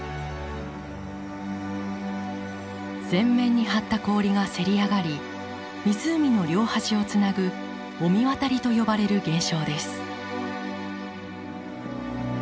全面に張った氷がせり上がり湖の両端をつなぐ「御神渡り」と呼ばれる現象です。